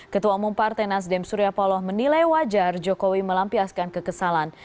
ketua umum partai nasdem surya paloh menilai wajar jokowi melampiaskan kekesalan